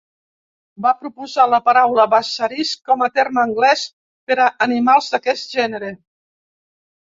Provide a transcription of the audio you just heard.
Va proposar la paraula bassarisk com a terme anglès per a animals d'aquest gènere.